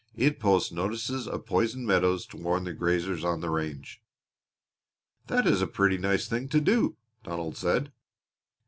It posts notices of poisoned meadows to warn the grazers on the range." "That is a pretty nice thing to do!" Donald said.